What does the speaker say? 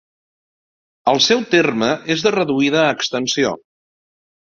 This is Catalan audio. El seu terme és de reduïda extensió.